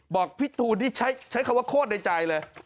บอกพี่ตูนนี่ใช้คำว่าโคตรในใจเลย